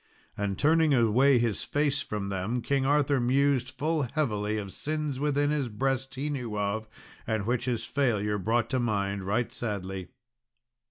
And turning away his face from them, King Arthur mused full heavily of sins within his breast he knew of, and which his failure brought to mind right sadly.